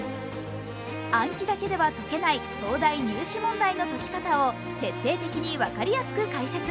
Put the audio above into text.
暗記だけでは解けない東大入試問題の解き方を徹底的に分かりやすく解説。